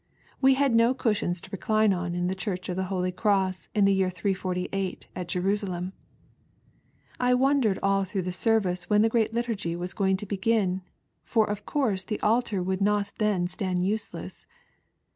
We had no cushions to recline on in the church of the Holy Cross ia the year 348 at Jerusalem. I had wondered all through the service when the Great Liturgy was going to begin, for of course the altar would not then stand useless.